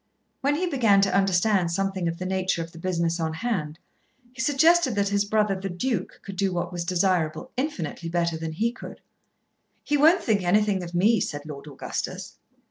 When he began to understand something of the nature of the business on hand, he suggested that his brother, the Duke, could do what was desirable infinitely better than he could. "He won't think anything of me," said Lord Augustus.